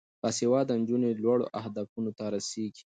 باسواده نجونې لوړو اهدافو ته رسیږي.